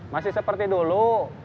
masih seperti dulu